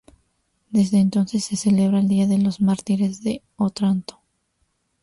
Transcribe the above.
Desde entonces se celebra el día de los Mártires de Otranto.